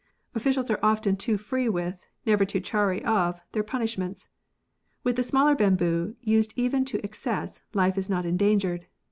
Officials are often too free with, never too chary of, their punishments. With the smaller bamboo, used even to excess, life is not endangered.